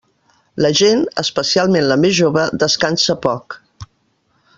La gent, especialment la més jove, descansa poc.